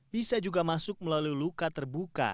bisa juga masuk melalui luka terbuka atau lapisan